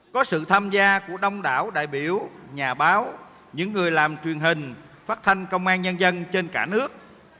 có sự tham gia của đông đảo đại biểu nhà báo những người làm truyền hình phát thanh công an nhân dân trên cả nước